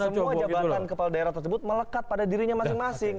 semua jabatan kepala daerah tersebut melekat pada dirinya masing masing